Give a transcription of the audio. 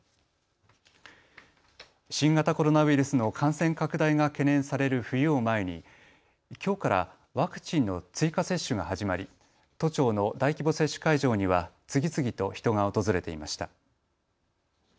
新型コロナウイルスの感染拡大が懸念される冬を前にきょうからワクチンの追加接種が始まり都庁の大規模接種会場には次々と人が訪れていました。